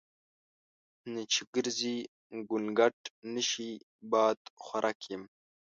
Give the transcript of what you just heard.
نه چې ګرزي ګونګټ نشي بادخورک یم.